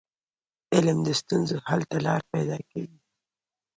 علم د ستونزو حل ته لار پيداکوي.